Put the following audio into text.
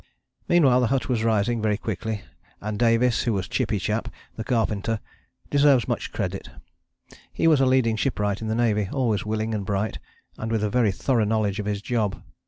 " Meanwhile the hut was rising very quickly, and Davies, who was Chippy Chap, the carpenter, deserves much credit. He was a leading shipwright in the navy, always willing and bright, and with a very thorough knowledge of his job.